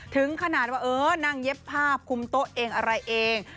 ถึงขนาดว่าเออนั่งเย็บผ้าคุมโต๊ะเองอะไรเอง